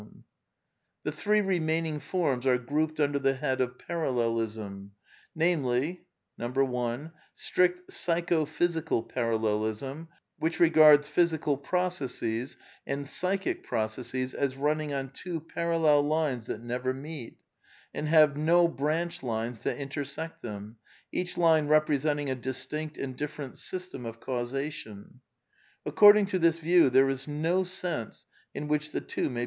^"~" The three remaining forms are grouped under the head of Parallelism : namely 1. Strict Psycho physical Parallelism, which regards physical processes and psychic processes as running on two parallel lines that never meet,, and have no branch lines that intersect them, each line represent ing a distinct and different system of causation^^ According to this view there is no sense in whiclTj the two may.